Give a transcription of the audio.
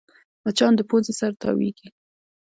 مچان د پوزې سره تاوېږي